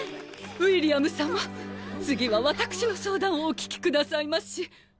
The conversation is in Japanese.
ウィリアム様次は私の相談をお聞きくださいまし。